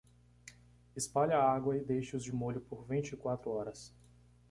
Espalhe a água e deixe-os de molho por vinte e quatro horas.